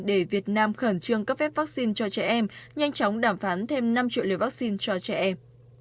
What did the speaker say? để việt nam khẩn trương cấp phép vaccine cho trẻ em nhanh chóng đàm phán thêm năm triệu liều vaccine cho trẻ em